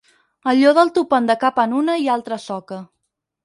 Allò del topant de cap en una i altra soca...